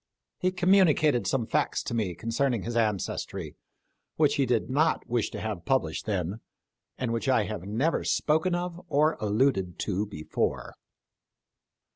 He communicated some facts to me concerning his ancestry, which he did not wish to have published then, and which I have never spoken of or alluded to before."